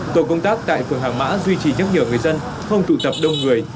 tổ công tác tại phường hàng mã duy trì nhắc nhở người dân không tụ tập đông người